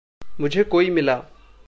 मुझे कोई मिला।